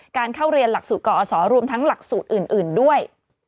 การเข้าเรียนหลักสูตรกอศรวมทั้งหลักสูตรอื่นด้วย